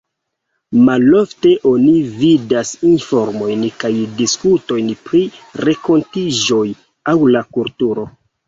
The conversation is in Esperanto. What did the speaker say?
Malofte oni vidas informojn kaj diskutojn pri renkontiĝoj aŭ la kulturo.